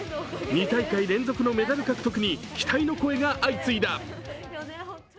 ２大会連続のメダル獲得に期待の声が相次いだ。